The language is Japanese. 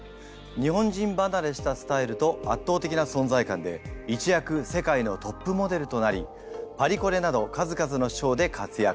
日本人ばなれしたスタイルと圧倒的な存在感で一躍世界のトップモデルとなりパリコレなど数々のショーで活躍。